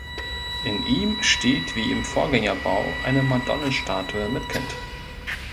In ihm steht wie im Vorgängerbau eine Madonnenstatue mit Kind.